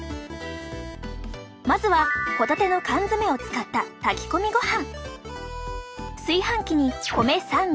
まずはホタテの缶詰を使った炊き込みご飯。